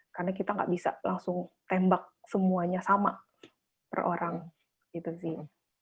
karena kita nggak bisa langsung tembak semuanya sama per orang gitu sih